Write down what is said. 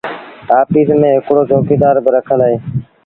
آڦيٚس ميݩ هڪڙو چوڪيٚدآر با رکل اهي۔